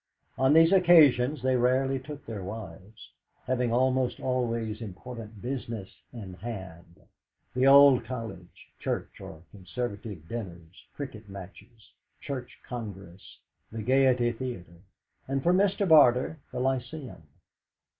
On these occasions they rarely took their wives, having almost always important business in hand old College, Church, or Conservative dinners, cricket matches, Church Congress, the Gaiety Theatre, and for Mr. Barter the Lyceum.